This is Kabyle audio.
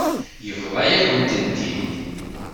Yebḍa-yakent-tent-id.